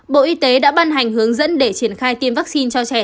bộ y tế đã ban hành hướng dẫn để triển khai tiêm vaccine cho trẻ